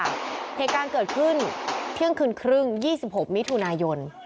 เหตุการณ์เกิดขึ้นเที่ยงคืนครึ่ง๒๖มิถุนายน